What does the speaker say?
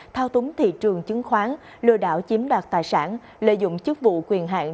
thao túng thị trường chứng khoán lừa đảo chiếm đoạt tài sản lợi dụng chức vụ quyền hạn